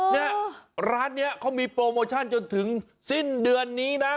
เนี่ยร้านนี้เขามีโปรโมชั่นจนถึงสิ้นเดือนนี้นะ